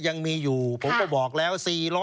ยังมีอยู่ผมก็บอกแล้ว